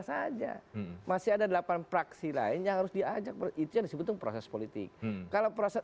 saja masih ada delapan praksi lain yang harus diajak itu yang disebut proses politik kalau proses